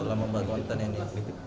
dalam membuat konten ini